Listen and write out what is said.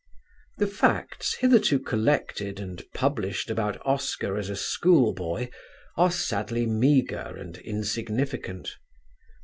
The facts hitherto collected and published about Oscar as a schoolboy are sadly meagre and insignificant.